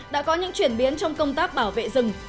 đã có những chuyển biến trong công tác bảo vệ rừng